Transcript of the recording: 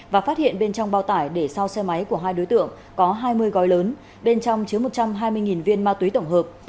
và phát hiện bên trong bao tải để sau xe máy của hai đối tượng có hai mươi gói lớn bên trong chứa một trăm hai mươi viên ma túy tổng hợp